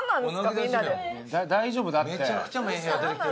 大丈夫だって。